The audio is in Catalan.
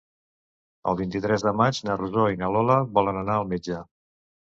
El vint-i-tres de maig na Rosó i na Lola volen anar al metge.